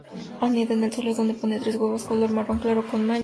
Anida en el suelo, donde pone tres huevos color marrón claro con manchas.